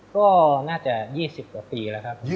ก็น่าจะ๒๐กว่าปีแล้วครับ